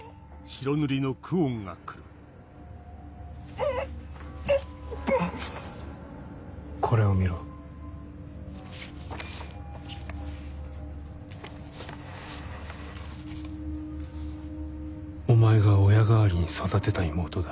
うぅこれを見ろお前が親代わりに育てた妹だ